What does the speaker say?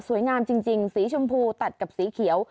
งามจริงสีชมพูตัดกับสีเขียว